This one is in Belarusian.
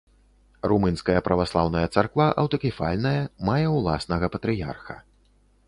Румынская праваслаўная царква аўтакефальная, мае ўласнага патрыярха.